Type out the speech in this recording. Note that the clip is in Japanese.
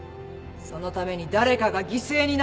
そのために誰かが犠牲になっても？